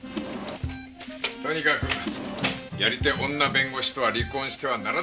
とにかくやり手女弁護士とは離婚してはならない。